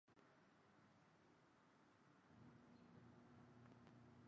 সেগুলো হল;